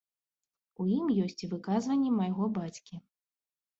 У ім ёсць і выказванні майго бацькі.